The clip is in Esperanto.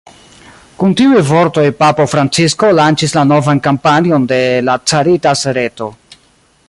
Kun tiuj vortoj papo Francisko, lanĉis la novan kampanjon de la Caritas-reto.